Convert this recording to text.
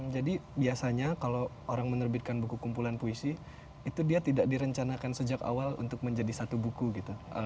jadi biasanya kalau orang menerbitkan buku kumpulan puisi itu dia tidak direncanakan sejak awal untuk menjadi satu buku gitu